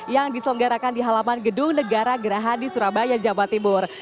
yang diselenggarakan di halaman gedung negara geraha di surabaya jawa timur